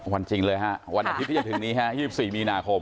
จริงเลยฮะวันอาทิตย์ที่จะถึงนี้ฮะ๒๔มีนาคม